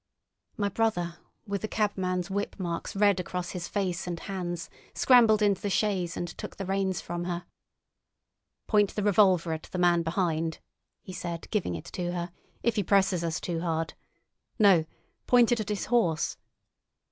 My brother, with the cabman's whip marks red across his face and hands, scrambled into the chaise and took the reins from her. "Point the revolver at the man behind," he said, giving it to her, "if he presses us too hard. No!—point it at his horse."